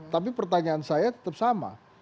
tapi pertanyaan saya tetap sama